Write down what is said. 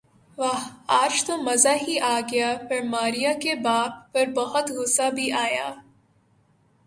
واہ آج تو مزہ ہی آ گیا پر ماریہ کے باپ پر بہت غصہ بھی آیا